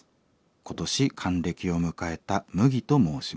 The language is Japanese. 今年還暦を迎えたムギと申します。